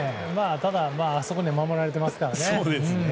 ただ、あそこで守られていますから。